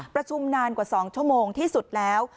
ประชุมนานกว่า๒ชั่วโมงที่สุดแล้ว